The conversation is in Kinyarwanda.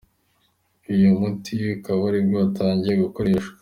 Uyu muti ukaba aribwo watangiye gukoreshwa.